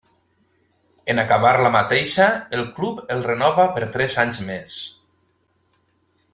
En acabar la mateixa, el club el renova per tres anys més.